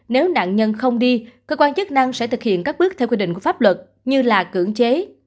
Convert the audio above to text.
nếu nạn nhân không đi cơ quan chức năng sẽ thực hiện các bước theo quy định của pháp luật như là cưỡng chế